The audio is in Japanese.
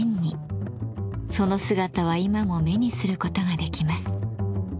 その姿は今も目にすることができます。